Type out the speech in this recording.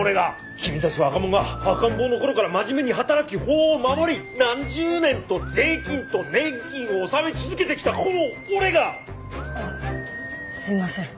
君たち若者が赤ん坊の頃から真面目に働き法を守り何十年と税金と年金を納め続けてきたこの俺が！あっすいません。